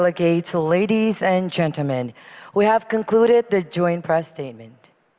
kami telah menyelesaikan pernyataan persetujuan